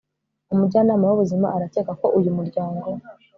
umujyanama w'ubuzima arakeka ko uyu muryango